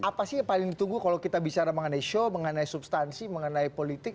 apa sih yang paling ditunggu kalau kita bicara mengenai show mengenai substansi mengenai politik